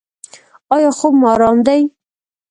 ایا خوب مو ارام دی؟